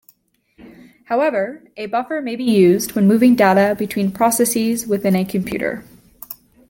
However, a buffer may be used when moving data between processes within a computer.